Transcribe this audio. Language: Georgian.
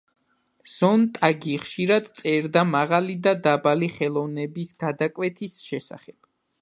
ზონტაგი ხშირად წერდა მაღალი და დაბალი ხელოვნების გადაკვეთის შესახებ.